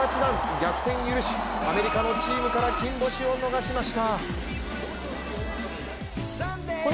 逆転を許しアメリカのチームから金星を逃しました。